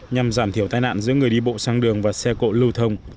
nhằm giảm thiểu tai nạn giữa người đi bộ sang đường và xe cộ lưu thông